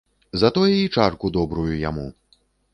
За тое і чарку добрую яму.